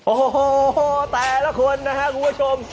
โอ้โหแต่ละคนนะครับคุณผู้ชม